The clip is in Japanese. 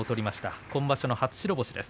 今場所、初白星。